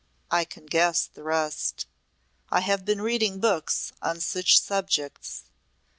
"I can guess the rest. I have been reading books on such subjects.